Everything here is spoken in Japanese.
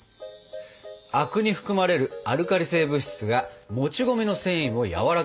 灰汁に含まれるアルカリ性物質がもち米の繊維をやわらかくする。